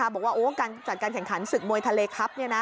บอกว่าการจัดการแข่งขันศึกมวยทะเลครับ